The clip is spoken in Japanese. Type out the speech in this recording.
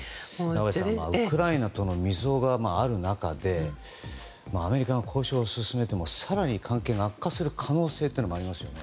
ウクライナとの溝がある中で、アメリカが交渉を進めても、更に関係が悪化する可能性もありますよね。